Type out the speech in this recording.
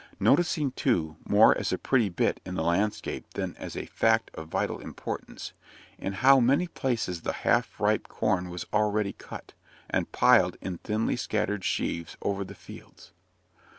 Noticing, too, more as a pretty bit in the landscape than as a fact of vital importance, in how many places the half ripe corn was already cut, and piled in thinly scattered sheaves over the fields.